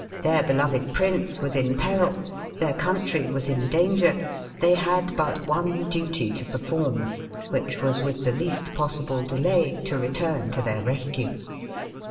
Their beloved prince was in peril, their country was in danger ; they had but one duty to perform, which was with the least possible delay to return to their rescue.